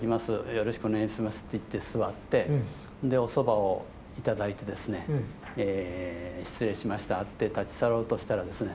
よろしくお願いします」って言って座ってでお蕎麦を頂いてですね「失礼しました」って立ち去ろうとしたらですね